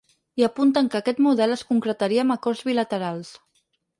I apunten que aquest model es concretaria amb acords bilaterals.